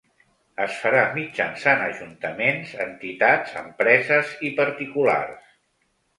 Es farà mitjançant ajuntaments, entitats, empreses i particulars.